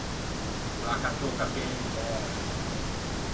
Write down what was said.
O l’à cacciou o cappello in tæra.